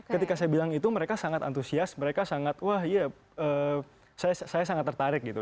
ketika saya bilang itu mereka sangat antusias mereka sangat wah iya saya sangat tertarik gitu